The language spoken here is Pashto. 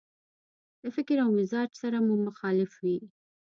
له فکر او مزاج سره مو مخالف وي.